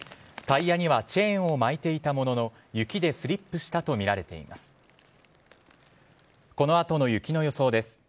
タイヤにはチェーンを巻いていたものの雪でスリップしたとみられています。